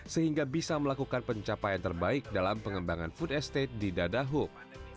sehingga bisa melakukan pencapaian terbaik dalam pengembangan food estate di dadahuk